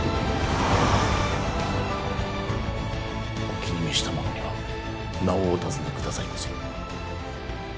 お気に召した者には名をお尋ね下さいませ。